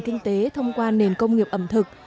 kinh tế thông qua nền công nghiệp ẩm thực